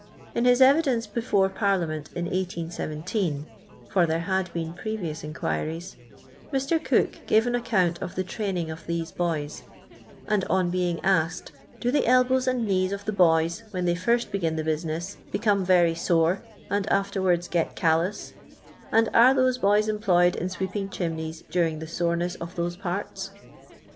In his evidence before Parliament in 1817 (for there had been previous inquiries), Mr. Cook gave an account of the training of these boys, and on being asked :—" Do the elbows and knees of the boys, when they first begin the business, become very sore, and afterwards get callous, and are those boys employed in sweeping chimneys during the soreness of those parts'?"